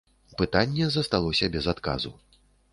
Пытанне засталося без адказу.